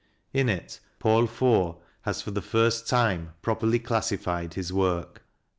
In it Paul Fort has for the first time properly classi fied his work.